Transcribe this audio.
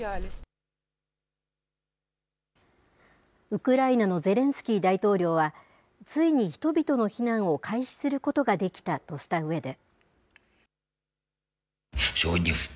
ウクライナのゼレンスキー大統領は、ついに人々の避難を開始することができたとしたうえで。